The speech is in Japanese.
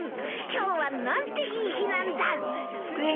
今日はなんていい日なんだ！